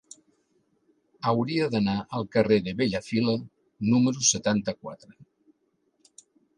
Hauria d'anar al carrer de Bellafila número setanta-quatre.